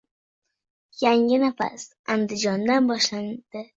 “Yangi nafas” Andijondan boshlandi